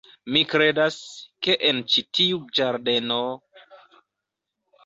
Mi kredas, ke en ĉi tiu ĝardeno...